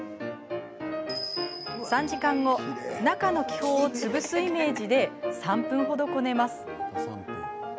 ３時間後中の気泡を潰すイメージで３分ほどこねます。